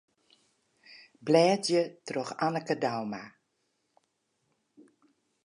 Blêdzje troch Anneke Douma.